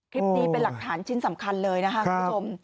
คลิปนี้เป็นหลักฐานชิ้นสำคัญเลยนะครับคุณผู้ชม